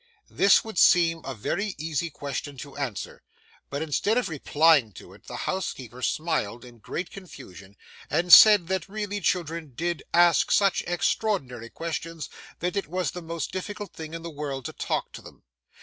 This would seem a very easy question to answer, but instead of replying to it, the housekeeper smiled in great confusion, and said that really children did ask such extraordinary questions that it was the most difficult thing in the world to talk to them.